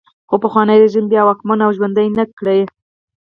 خو پخوانی رژیم یې بیا واکمن او ژوندی نه کړ.